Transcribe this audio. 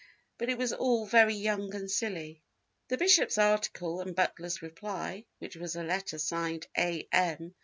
But it was all very young and silly." The bishop's article and Butler's reply, which was a letter signed A. M.